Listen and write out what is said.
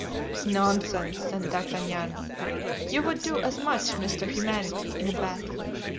"Nonsense," said D'Artagnan; "you would do as much, Mr. Humanity, in a battle.